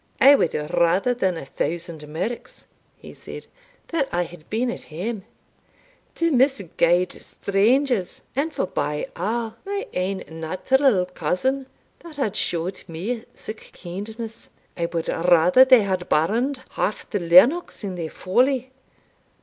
"I wad rather than a thousand merks," he said, "that I had been at hame! To misguide strangers, and forbye a', my ain natural cousin, that had showed me sic kindness I wad rather they had burned half the Lennox in their folly!